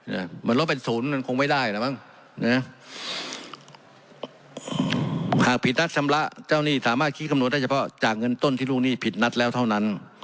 เหมือนลดเป็นศูนย์มันคงไม่ได้แล้วมั้งนะหากผิดนัดชำระเจ้าหนี้สามารถชี้คำนวณได้เฉพาะจากเงินต้นที่ลูกหนี้ผิดนัดแล้วเท่านั้น